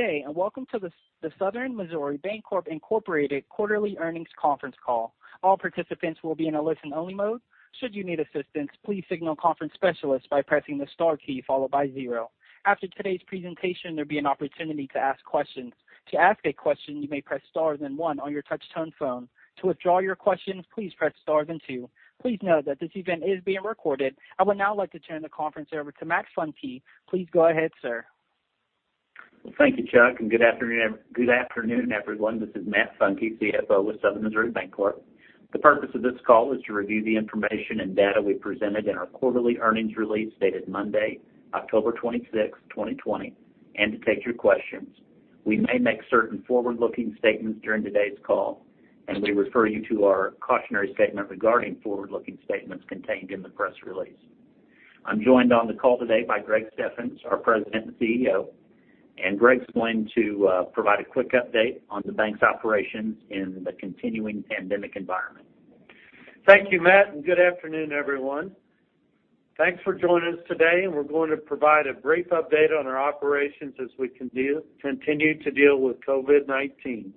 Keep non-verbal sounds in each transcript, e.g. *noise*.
Good day, and welcome to the Southern Missouri Bancorp Incorporated quarterly earnings conference call. All participants will be in a listen-only mode. Should you need assistance, please signal conference specialist by pressing the star key, followed by zero. After today's presentation, there'll be an opportunity to ask questions. To ask a question, you may press star then one on your touch-tone phone. To withdraw your question, please press star then zero. Please note that this event is being recorded. I would now like to turn the conference over to Matt Funke. Please go ahead, sir. Well, thank you, Chuck. Good afternoon, everyone. This is Matt Funke, CFO with Southern Missouri Bancorp. The purpose of this call is to review the information and data we presented in our quarterly earnings release dated Monday, October 26, 2020, and to take your questions. We may make certain forward-looking statements during today's call, and we refer you to our cautionary statement regarding forward-looking statements contained in the press release. I'm joined on the call today by Greg Steffens, our President and CEO, and Greg's going to provide a quick update on the bank's operations in the continuing pandemic environment. Thank you, Matt, and good afternoon, everyone. Thanks for joining us today, and we're going to provide a brief update on our operations as we continue to deal with COVID-19.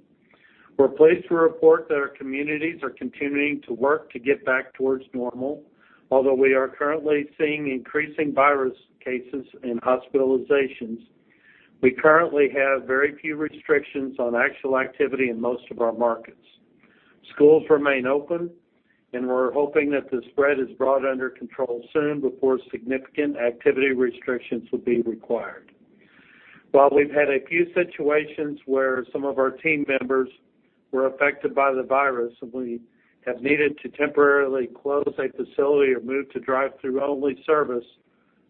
We're pleased to report that our communities are continuing to work to get back towards normal. Although we are currently seeing increasing virus cases and hospitalizations, we currently have very few restrictions on actual activity in most of our markets. Schools remain open, and we're hoping that the spread is brought under control soon before significant activity restrictions will be required. While we've had a few situations where some of our team members were affected by the virus, and we have needed to temporarily close a facility or move to drive-through only service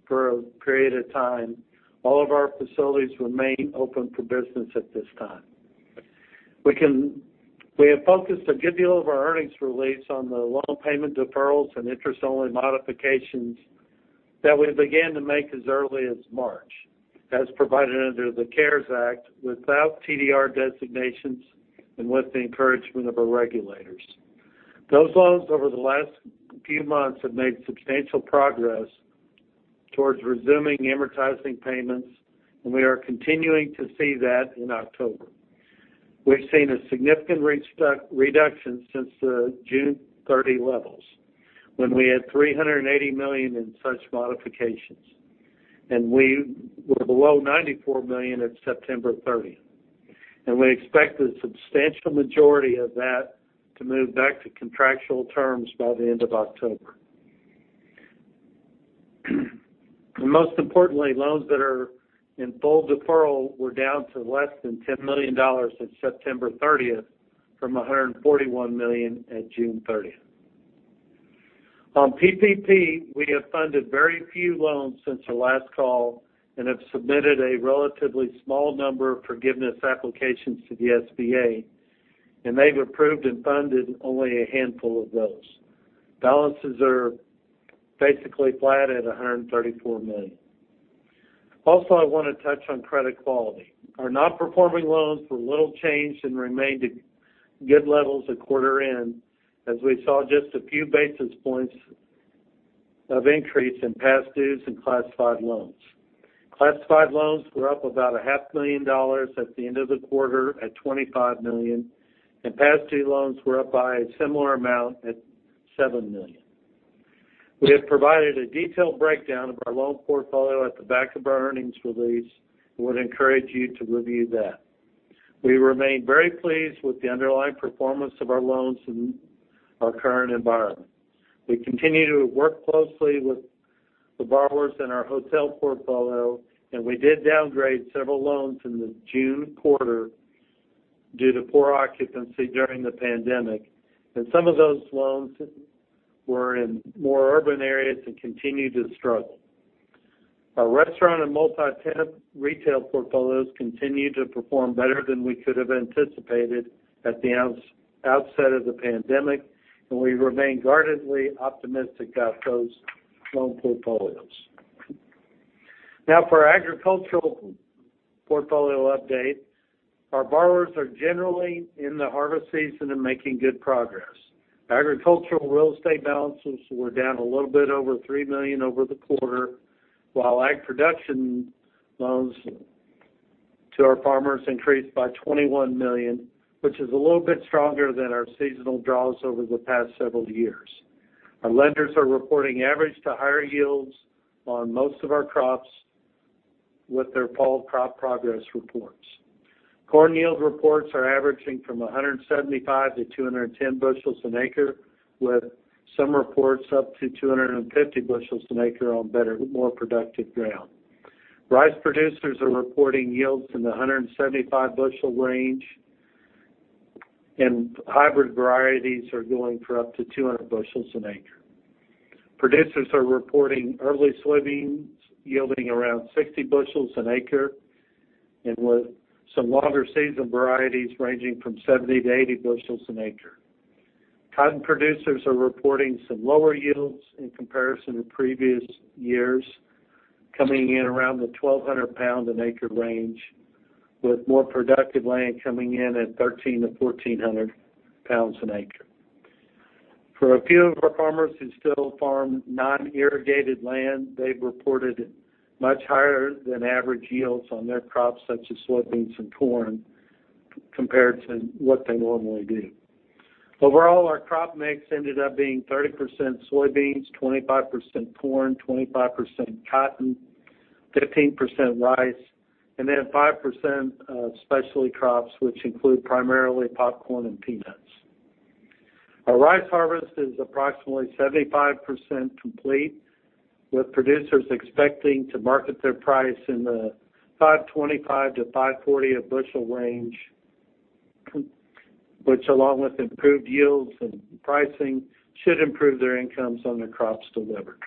for a period of time, all of our facilities remain open for business at this time. We have focused a good deal of our earnings release on the loan payment deferrals and interest-only modifications that we began to make as early as March, as provided under the CARES Act, without TDR designations and with the encouragement of our regulators. Those loans over the last few months have made substantial progress towards resuming amortizing payments, and we are continuing to see that in October. We've seen a significant reduction since the June 30 levels when we had $380 million in such modifications, and we were below $94 million at September 30. We expect the substantial majority of that to move back to contractual terms by the end of October. Most importantly, loans that are in full deferral were down to less than $10 million at September 30th from $141 million at June 30th. On PPP, we have funded very few loans since our last call and have submitted a relatively small number of forgiveness applications to the SBA, and they've approved and funded only a handful of those. Balances are basically flat at $134 million. Also, I want to touch on credit quality. Our non-performing loans were little changed and remained at good levels at quarter end, as we saw just a few basis points of increase in past dues and classified loans. Classified loans were up about a $500,000 at the end of the quarter at $25 million, and past due loans were up by a similar amount at $7 million. We have provided a detailed breakdown of our loan portfolio at the back of our earnings release and would encourage you to review that. We remain very pleased with the underlying performance of our loans in our current environment. We continue to work closely with the borrowers in our hotel portfolio, and we did downgrade several loans in the June quarter due to poor occupancy during the pandemic. Some of those loans were in more urban areas and continue to struggle. Our restaurant and multi-tenant retail portfolios continue to perform better than we could have anticipated at the outset of the pandemic, and we remain guardedly optimistic about those loan portfolios. Now for our agricultural portfolio update. Our borrowers are generally in the harvest season and making good progress. Agricultural real estate balances were down a little bit over $3 million over the quarter, while ag production loans to our farmers increased by $21 million, which is a little bit stronger than our seasonal draws over the past several years. Our lenders are reporting average to higher yields on most of our crops with their fall crop progress reports. Corn yield reports are averaging from 175-210 bushels an acre, with some reports up to 250 bushels an acre on better, more productive ground. Rice producers are reporting yields in the 175-bushel range, and hybrid varieties are going for up to 200 bushels an acre. Producers are reporting early soybeans yielding around 60 bushels an acre, and with some longer season varieties ranging from 70-80 bushels an acre. Cotton producers are reporting some lower yields in comparison to previous years, coming in around the 1,200-pound-an-acre range, with more productive land coming in at 1,300-1,400 pounds an acre. For a few of our farmers who still farm non-irrigated land, they've reported much higher than average yields on their crops, such as soybeans and corn, compared to what they normally do. Overall, our crop mix ended up being 30% soybeans, 25% corn, 25% cotton, 15% rice, and then 5% specialty crops, which include primarily popcorn and peanuts. Our rice harvest is approximately 75% complete, with producers expecting to market their price in the $5.25-$5.40 a bushel range, which, along with improved yields and pricing, should improve their incomes on the crops delivered.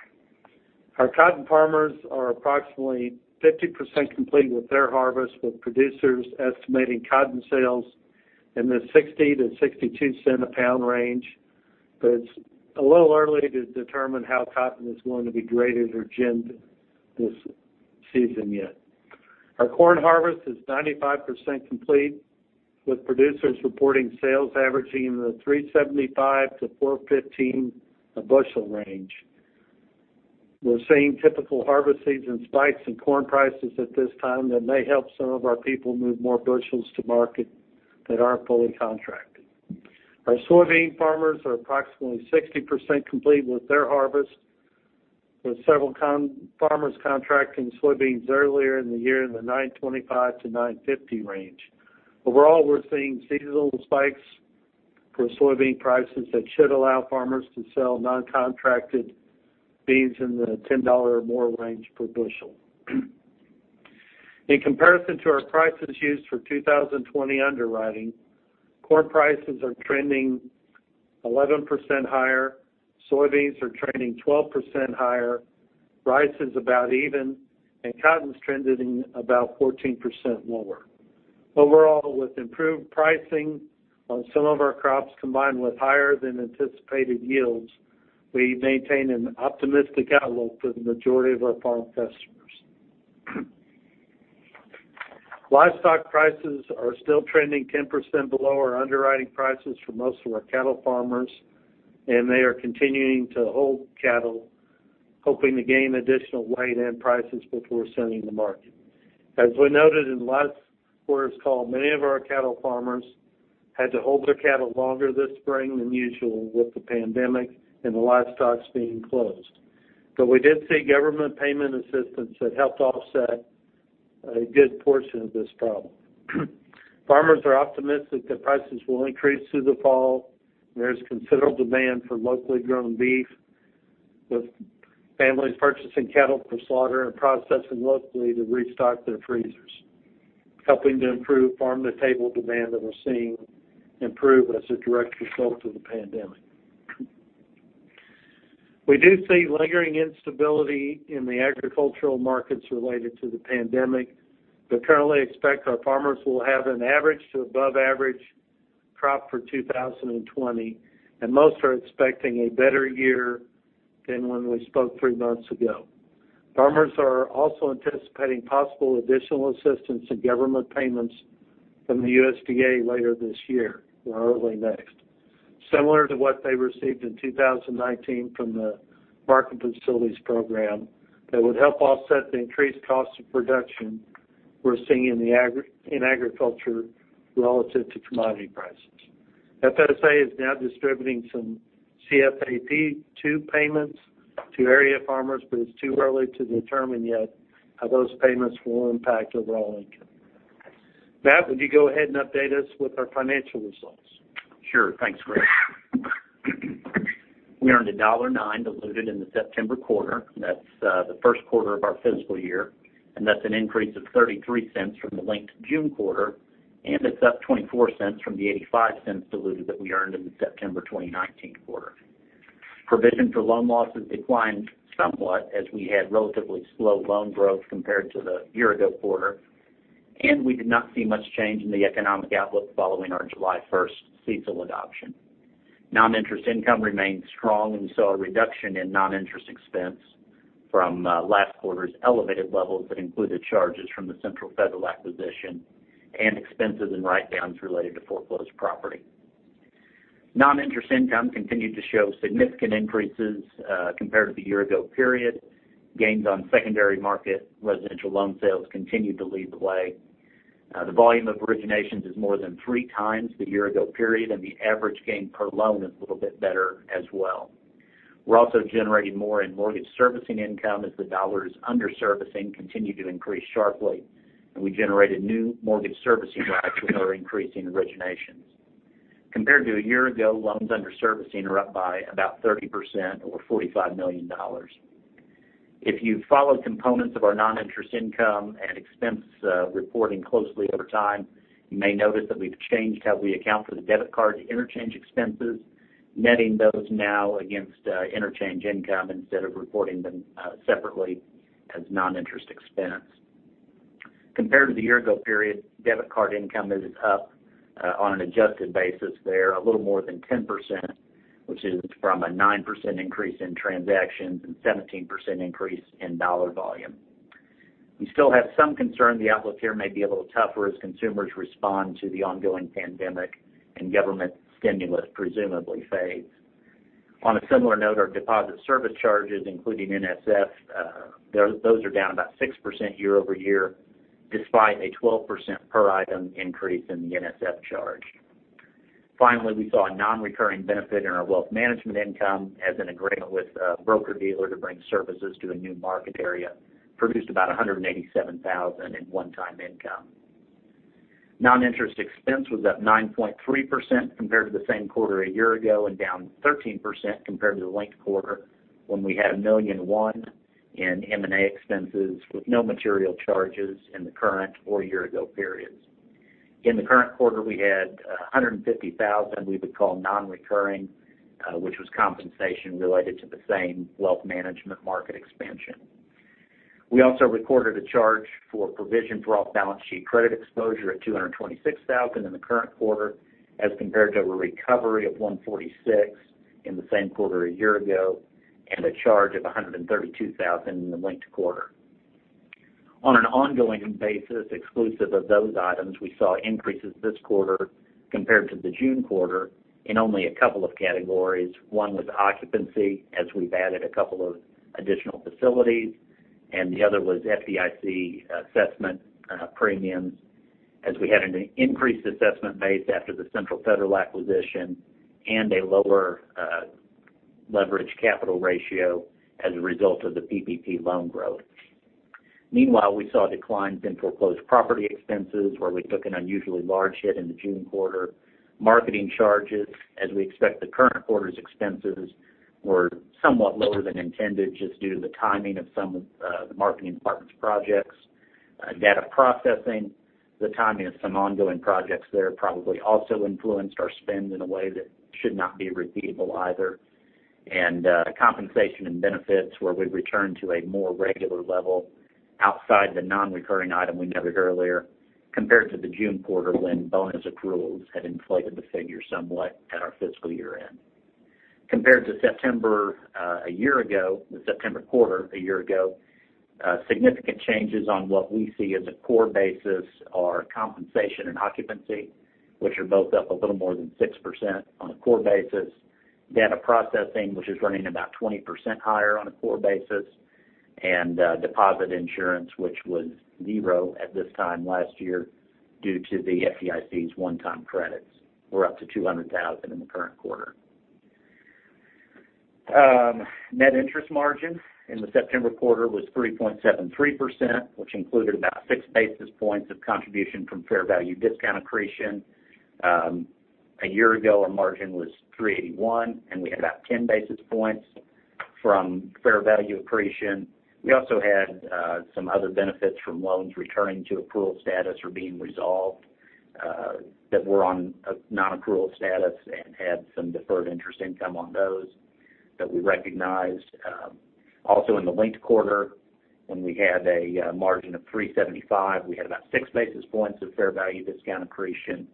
Our cotton farmers are approximately 50% complete with their harvest, with producers estimating cotton sales in the $0.60-$0.62 a pound range. It's a little early to determine how cotton is going to be graded or ginned this season yet. Our corn harvest is 95% complete, with producers reporting sales averaging the $3.75-$4.15 a bushel range. We're seeing typical harvest season spikes in corn prices at this time that may help some of our people move more bushels to market that aren't fully contracted. Our soybean farmers are approximately 60% complete with their harvest, with several farmers contracting soybeans earlier in the year in the $9.25-$9.50 range. Overall, we're seeing seasonal spikes for soybean prices that should allow farmers to sell non-contracted beans in the $10 or more range per bushel. In comparison to our prices used for 2020 underwriting, corn prices are trending 11% higher, soybeans are trending 12% higher, rice is about even, and cotton's trending about 14% lower. Overall, with improved pricing on some of our crops, combined with higher-than-anticipated yields, we maintain an optimistic outlook for the majority of our farm customers. Livestock prices are still trending 10% below our underwriting prices for most of our cattle farmers, and they are continuing to hold cattle, hoping to gain additional weight and prices before sending to market. As we noted in the last quarter's call, many of our cattle farmers had to hold their cattle longer this spring than usual, with the pandemic and the livestocks being closed. We did see government payment assistance that helped offset a good portion of this problem. Farmers are optimistic that prices will increase through the fall. There's considerable demand for locally grown beef, with families purchasing cattle for slaughter and processing locally to restock their freezers, helping to improve farm-to-table demand that we're seeing improve as a direct result of the pandemic. We do see lingering instability in the agricultural markets related to the pandemic, but currently expect our farmers will have an average to above-average crop for 2020, and most are expecting a better year than when we spoke three months ago. Farmers are also anticipating possible additional assistance in government payments from the USDA later this year or early next. Similar to what they received in 2019 from the Market Facilitation Program that would help offset the increased cost of production we're seeing in agriculture relative to commodity prices. FSA is now distributing some CFAP 2 payments to area farmers, but it's too early to determine yet how those payments will impact overall income. Matt, would you go ahead and update us with our financial results? Sure. Thanks, Greg. We earned $1.09 diluted in the September quarter. That's the first quarter of our fiscal year, and that's an increase of $0.33 from the linked June quarter, and it's up $0.24 from the $0.85 diluted that we earned in the September 2019 quarter. Provision for loan losses declined somewhat as we had relatively slow loan growth compared to the year ago quarter, and we did not see much change in the economic outlook following our July 1st CECL adoption. Non-interest income remained strong, and we saw a reduction in non-interest expense from last quarter's elevated levels that included charges from the Central Federal acquisition and expenses and write-downs related to foreclosed property. Non-interest income continued to show significant increases compared to the year ago period. Gains on secondary market residential loan sales continued to lead the way. The volume of originations is more than 3x the year-ago period, and the average gain per loan is a little bit better as well. We're also generating more in mortgage servicing income as the dollars under servicing continue to increase sharply. We generated new mortgage servicing rights with our increase in originations. Compared to a year-ago, loans under servicing are up by about 30% or $45 million. If you follow components of our non-interest income and expense reporting closely over time, you may notice that we've changed how we account for the debit card interchange expenses, netting those now against interchange income instead of reporting them separately as non-interest expense. Compared to the year-ago period, debit card income is up on an adjusted basis there a little more than 10%, which is from a 9% increase in transactions and 17% increase in dollar volume. We still have some concern the outlook here may be a little tougher as consumers respond to the ongoing pandemic and government stimulus presumably fades. On a similar note, our deposit service charges, including NSF, those are down about 6% year-over-year, despite a 12% per item increase in the NSF charge. Finally, we saw a non-recurring benefit in our wealth management income as an agreement with a broker-dealer to bring services to a new market area produced about $187,000 in one-time income. Non-interest expense was up 9.3% compared to the same quarter a year ago and down 13% compared to the linked quarter, when we had $1.1 million in M&A expenses with no material charges in the current or year ago periods. In the current quarter, we had $150,000 we would call non-recurring, which was compensation related to the same wealth management market expansion. We also recorded a charge for provision for off-balance sheet credit exposure at $226,000 in the current quarter, as compared to a recovery of $146 in the same quarter a year ago, and a charge of $132,000 in the linked quarter. On an ongoing basis, exclusive of those items, we saw increases this quarter compared to the June quarter in only a couple of categories. One was occupancy, as we've added a couple of additional facilities, and the other was FDIC assessment premiums, as we had an increased assessment base after the Central Federal acquisition and a lower leverage capital ratio as a result of the PPP loan growth. Meanwhile, we saw declines in foreclosed property expenses, where we took an unusually large hit in the June quarter. Marketing charges, as we expect, the current quarter's expenses were somewhat lower than intended, just due to the timing of some of the marketing department's projects. Data processing, the timing of some ongoing projects, there probably also influenced our spend in a way that should not be repeatable either. Compensation and benefits, where we've returned to a more regular level outside the non-recurring item we noted earlier, compared to the June quarter when bonus accruals had inflated the figure somewhat at our fiscal year-end. Compared to the September quarter a year ago, significant changes on what we see as a core basis are compensation and occupancy, which are both up a little more than 6% on a core basis. Data processing, which is running about 20% higher on a core basis, and deposit insurance, which was zero at this time last year due to the FDIC's one-time credits, were up to $200,000 in the current quarter. Net interest margin in the September quarter was 3.73%, which included about six basis points of contribution from fair value discount accretion. A year ago, our margin was 3.81%, we had about 10 basis points from fair value accretion. We also had some other benefits from loans returning to accrual status or being resolved that were on a non-accrual status, and had some deferred interest income on those that we recognized. In the linked quarter, when we had a margin of 375, we had about 6 basis points of fair value discount accretion,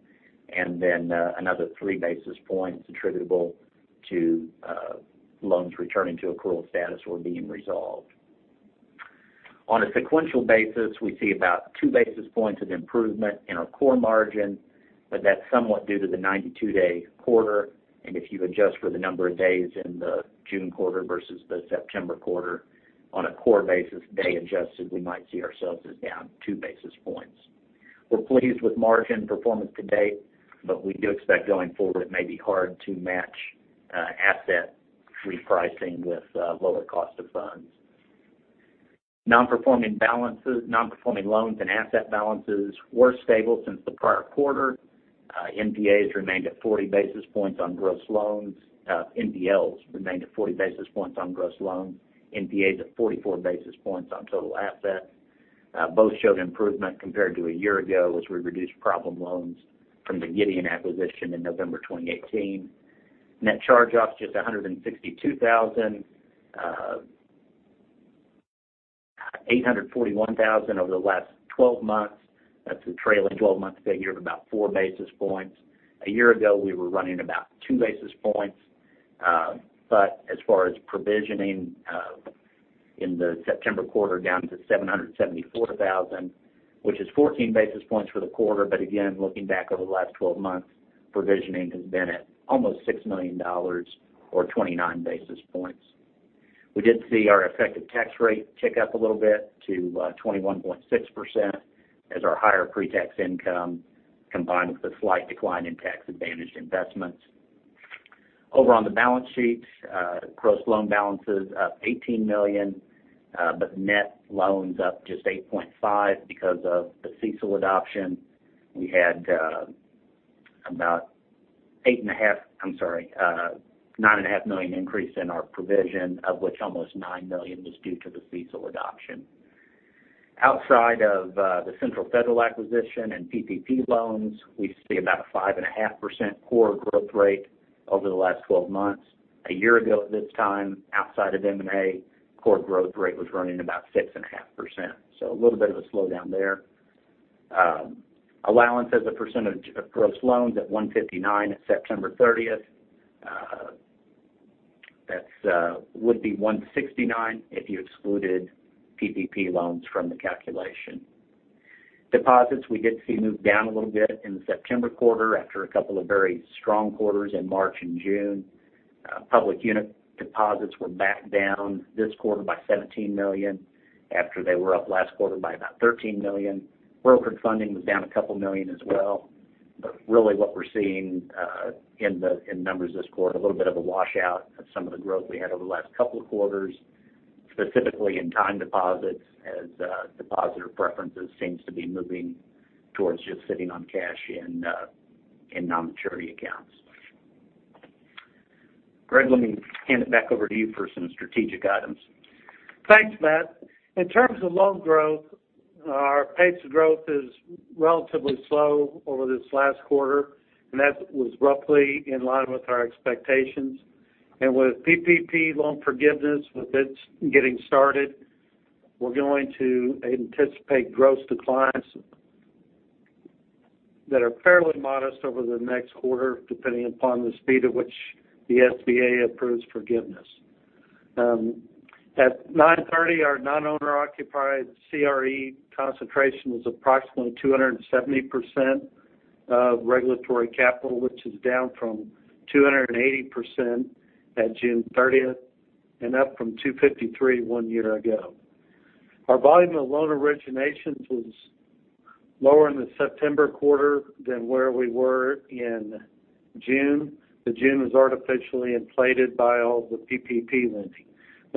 and then another 3 basis points attributable to loans returning to accrual status or being resolved. On a sequential basis, we see about 2 basis points of improvement in our core margin, but that's somewhat due to the 92-day quarter. If you adjust for the number of days in the June quarter versus the September quarter, on a core basis, day adjusted, we might see ourselves as down 2 basis points. We're pleased with margin performance to date, but we do expect going forward, it may be hard to match asset repricing with lower cost of funds. Non-performing loans and asset balances were stable since the prior quarter. NPLs remained at 40 basis points on gross loans, NPAs at 44 basis points on total assets. Both showed improvement compared to a year ago as we reduced problem loans from the Gideon acquisition in November 2018. Net charge-offs just $162,000. $841,000 over the last 12 months. That's a trailing 12-month figure of about four basis points. A year ago, we were running about two basis points. As far as provisioning, in the September quarter, down to $774,000, which is 14 basis points for the quarter. Again, looking back over the last 12 months, provisioning has been at almost $6 million, or 29 basis points. We did see our effective tax rate tick up a little bit to 21.6% as our higher pre-tax income combined with a slight decline in tax-advantaged investments. Over on the balance sheet, gross loan balances up $18 million, but net loans up just $8.5 because of the CECL adoption. We had about a $9.5 million increase in our provision, of which almost $9 million was due to the CECL adoption. Outside of the Central Federal acquisition and PPP loans, we see about a 5.5% core growth rate over the last 12 months. A year ago at this time, outside of M&A, core growth rate was running about 6.5%, a little bit of a slowdown there. Allowance as a percentage of gross loans at 159 at September 30th would be 169 if you excluded PPP loans from the calculation. Deposits, we did see move down a little bit in the September quarter after a couple of very strong quarters in March and June. Public unit deposits were back down this quarter by $17 million after they were up last quarter by about $13 million. Brokered funding was down a couple million as well. Really, what we're seeing in numbers this quarter, a little bit of a washout of some of the growth we had over the last couple of quarters, specifically in time deposits, as depositor preferences seem to be moving towards just sitting on cash in non-maturity accounts. Greg, let me hand it back over to you for some strategic items. Thanks, Matt. In terms of loan growth, our pace of growth is relatively slow over this last quarter, and that was roughly in line with our expectations. With PPP loan forgiveness, with it getting started, we're going to anticipate gross declines that are fairly modest over the next quarter, depending upon the speed at which the SBA approves forgiveness. At 9/30, our non-owner occupied CRE concentration was approximately 270% of regulatory capital, which is down from 280% at June 30th and up from 253% one year ago. Our volume of loan originations was lower in the September quarter than where we were in June, but June was artificially inflated by all the PPP lending.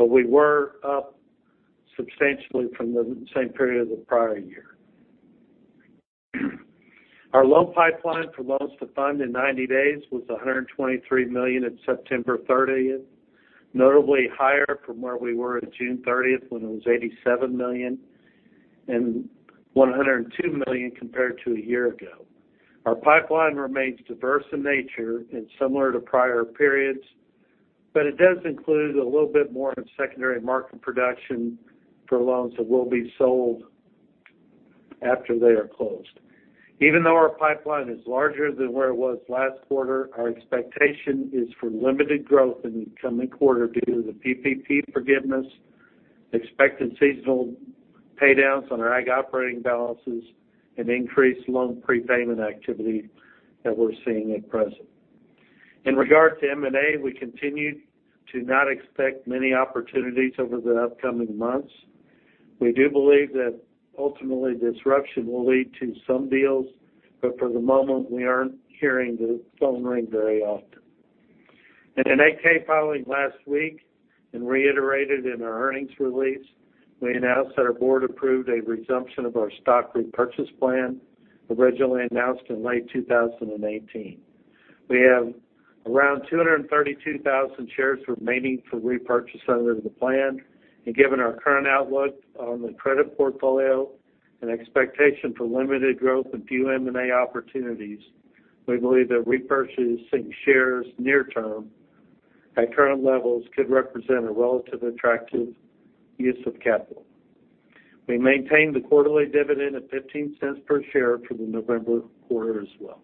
We were up substantially from the same period as the prior year. Our loan pipeline for loans to fund in 90 days was $123 million at September 30th, notably higher from where we were at June 30th, when it was $87 million, and $102 million compared to a year ago. Our pipeline remains diverse in nature and similar to prior periods, but it does include a little bit more of secondary market production for loans that will be sold after they are closed. Even though our pipeline is larger than where it was last quarter, our expectation is for limited growth in the coming quarter due to the PPP forgiveness, expected seasonal pay downs on our ag operating balances, and increased loan prepayment activity that we're seeing at present. In regard to M&A, we continue to not expect many opportunities over the upcoming months. We do believe that ultimately disruption will lead to some deals, but for the moment, we aren't hearing the phone ring very often. In an 8-K filing last week and reiterated in our earnings release, we announced that our board approved a resumption of our stock repurchase plan, originally announced in late 2018. We have around 232,000 shares remaining for repurchase under the plan, and given our current outlook on the credit portfolio and expectation for limited growth and few M&A opportunities, we believe that repurchasing shares near term at current levels could represent a relatively attractive use of capital. We maintained the quarterly dividend of $0.15 per share for the November quarter as well.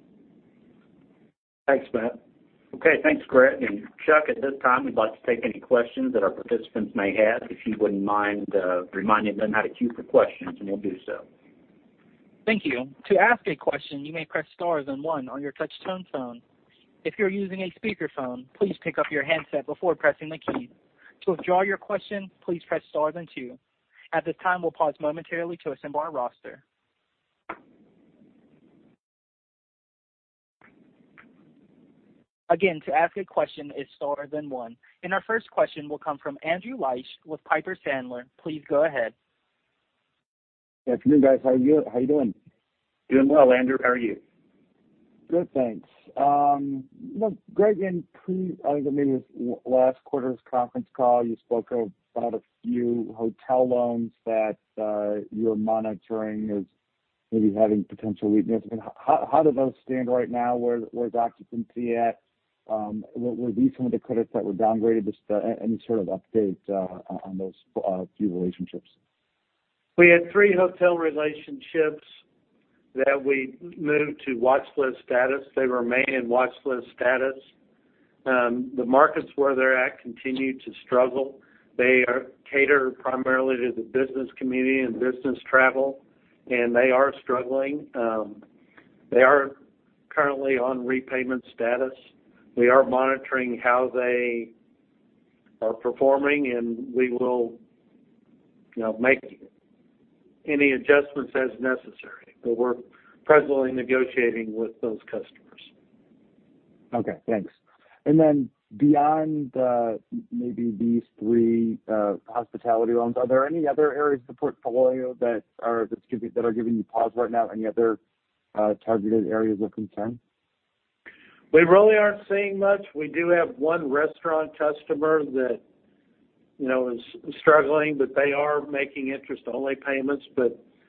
Thanks, Matt. Okay. Thanks, Greg and Chuck. At this time, we'd like to take any questions that our participants may have. If you wouldn't mind reminding them how to queue for questions, and we'll do so. Thank you. To ask a question, you may press star then one on your touch-tone phone. If you're using a speakerphone, please pick up your handset before pressing the key. To withdraw your question, please press star then two. At this time, we'll pause momentarily to assemble our roster. Again, to ask a question, it's star then one. Our first question will come from Andrew Liesch with Piper Sandler. Please go ahead. Good afternoon, guys. How you doing? Doing well, Andrew. How are you? Good, thanks. Greg, I think it maybe was last quarter's conference call, you spoke about a few hotel loans that you're monitoring as maybe having potential weakness. How do those stand right now? Where's occupancy at? Were these some of the credits that were downgraded? Just any sort of update on those few relationships. We had three hotel relationships that we moved to watch list status. They remain in watch list status. The markets where they're at continue to struggle. They cater primarily to the business community and business travel, and they are struggling. They are currently on repayment status. We are monitoring how they are performing, and we will make any adjustments as necessary. We're presently negotiating with those customers. Okay, thanks. Beyond maybe these three hospitality loans, are there any other areas of the portfolio that are giving you pause right now? Any other targeted areas of concern? We really aren't seeing much. We do have one restaurant customer that is struggling, but they are making interest-only payments. They're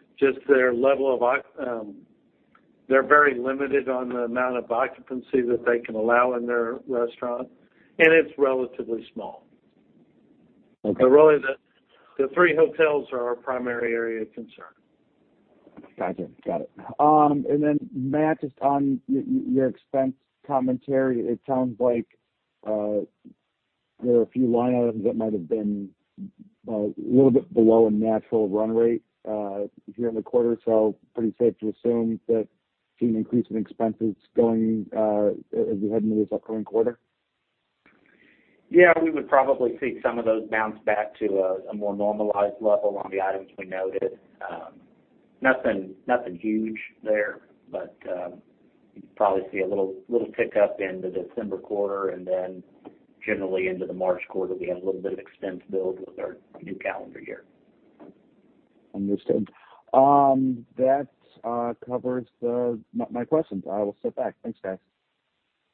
very limited on the amount of occupancy that they can allow in their restaurant, and it's relatively small. Okay. Really, the three hotels are our primary area of concern. Gotcha. Got it. Matt, just on your expense commentary, it sounds like there are a few line items that might have been a little bit below a natural run rate here in the quarter. Pretty safe to assume that seeing an increase in expenses going as we head into this upcoming quarter? We would probably see some of those bounce back to a more normalized level on the items we noted. Nothing huge there, but you'd probably see a little tick up in the December quarter, and then generally into the March quarter, we have a little bit of expense build with our new calendar year. Understood. That covers my questions. I will sit back. Thanks, guys.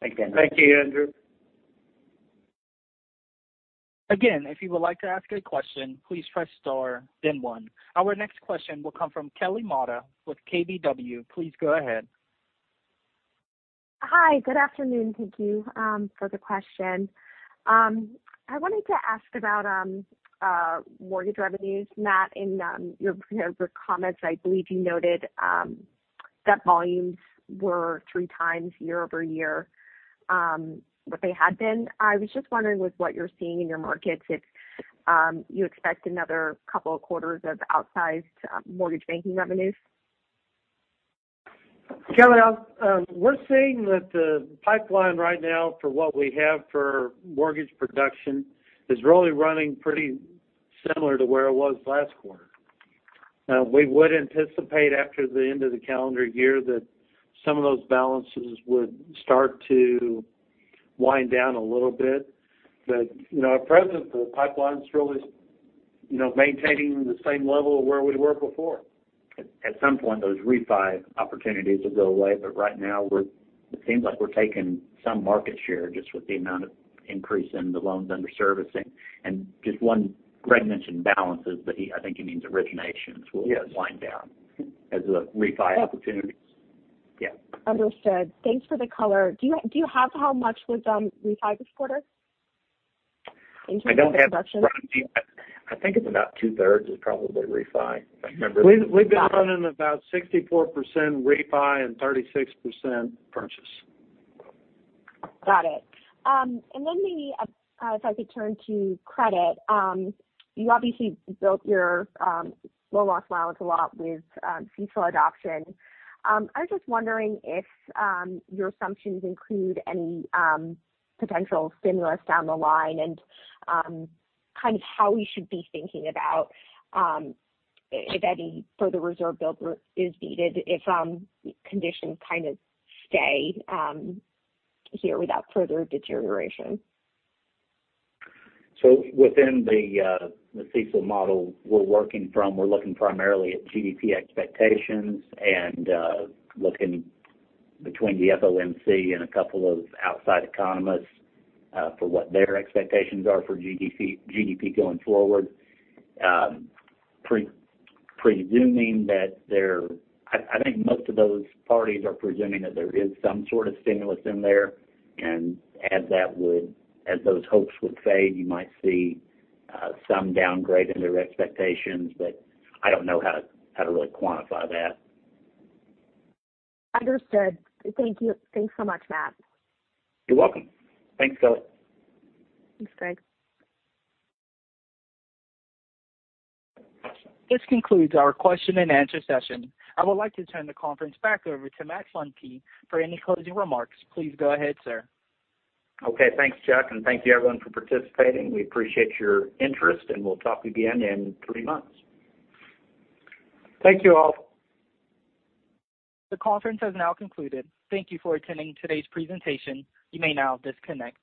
Thanks, Andrew. Thank you, Andrew. Again, if you would like to ask a question, please press star, then one. Our next question will come from Kelly Motta with KBW. Please go ahead. Hi, good afternoon. Thank you for the question. I wanted to ask about mortgage revenues, Matt. In your comments, I believe you noted that volumes were 3x year-over-year, what they had been. I was just wondering with what you're seeing in your markets, if you expect another couple of quarters of outsized mortgage banking revenues. Kelly, we're seeing that the pipeline right now for what we have for mortgage production is really running pretty similar to where it was last quarter. We would anticipate after the end of the calendar year that, some of those balances would start to wind down a little bit. At present, the pipeline's really maintaining the same level of where we were before. At some point, those refi opportunities will go away. Right now, it seems like we're taking some market share just with the amount of increase in the loans under servicing. Greg mentioned balances, but I think he means originations will wind down as the refi opportunities. Yeah. Understood. Thanks for the color. Do you have how much was refi this quarter in terms of production? I don't have the. *audio distortion* I think it's about two-thirds is probably refi. We've been running about 64% refi and 36% purchase. Got it. Then maybe if I could turn to credit. You obviously built your low loss allowance a lot with CECL adoption. I was just wondering if your assumptions include any potential stimulus down the line and how we should be thinking about if any further reserve build is needed if conditions kind of stay here without further deterioration. Within the CECL model we're working from, we're looking primarily at GDP expectations and looking between the FOMC and a couple of outside economists for what their expectations are for GDP going forward. I think most of those parties are presuming that there is some sort of stimulus in there, and as those hopes would fade, you might see some downgrade in their expectations, but I don't know how to really quantify that. Understood. Thank you. Thanks so much, Matt. You're welcome. Thanks, Kelly. Thanks. This concludes our question-and-answer session. I would like to turn the conference back over to Matt Funke for any closing remarks. Please go ahead, sir. Okay. Thanks, Chuck. Thank you, everyone, for participating. We appreciate your interest. We'll talk again in three months. Thank you all. The conference has now concluded. Thank you for attending today's presentation. You may now disconnect.